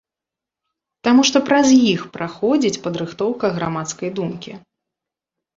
Таму што праз іх праходзіць падрыхтоўка грамадскай думкі.